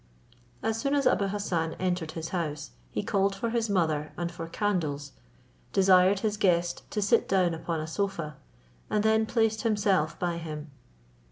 As soon as Abou Hassan entered his house, he called for his mother and for candles, desired his guest to sit down upon a sofa, and then placed himself by him.